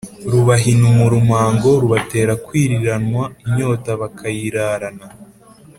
. Rubahina umurumango: Rubatera kwiriranwa inyota bakayirarana.